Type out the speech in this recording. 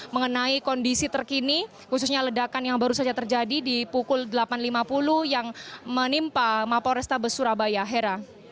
mengenai kondisi terkini khususnya ledakan yang baru saja terjadi di pukul delapan lima puluh yang menimpa mapol restabes surabaya hera